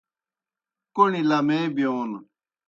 کوْݨیْ لمے بِیون